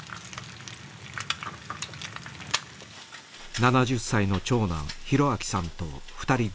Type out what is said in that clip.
７０歳の長男博昭さんと２人暮らし。